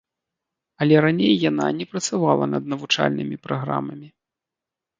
Але раней яна не працавала над навучальнымі праграмамі.